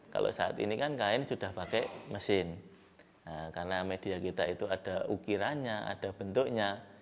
kalau saat ini kan kain sudah pakai mesin karena media kita itu ada ukirannya ada bentuknya